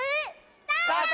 スタート！